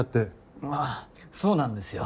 ああそうなんですよ。